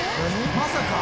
「まさか」